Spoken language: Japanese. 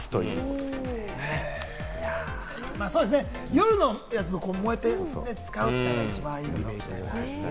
夜のやつを使うというのが一番いいのかもしれないですね。